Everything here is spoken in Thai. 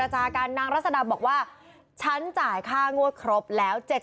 ให้ใจค่ะ